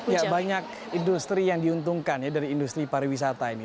ya banyak industri yang diuntungkan ya dari industri pariwisata ini